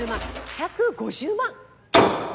１５０万。